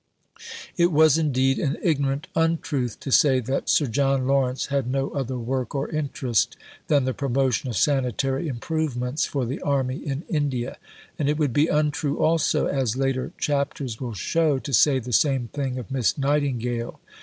It was, indeed, an ignorant untruth to say that Sir John Lawrence had no other work or interest than the promotion of sanitary improvements for the Army in India; and it would be untrue also, as later chapters will show, to say the same thing of Miss Nightingale.